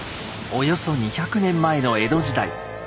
およそ２００年前の江戸時代。